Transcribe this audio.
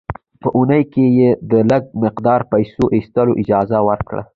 په اونۍ کې یې د لږ مقدار پیسو ایستلو اجازه ورکړه.